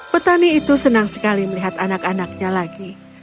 petani itu senang sekali melihat anak anaknya lagi